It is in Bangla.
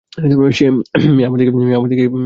মে, আমার দিকে একটু তাকাবে, প্লিজ?